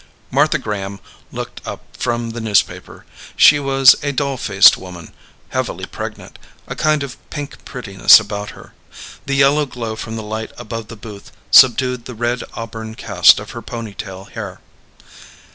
Martha Graham looked up from the newspaper. She was a doll faced woman, heavily pregnant, a kind of pink prettiness about her. The yellow glow from the light above the booth subdued the red auburn cast of her ponytail hair.